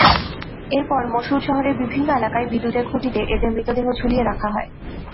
এরপর মসুল শহরের বিভিন্ন এলাকায় বিদ্যুতের খুঁটিতে এঁদের মৃতদেহ ঝুলিয়ে রাখা হয়।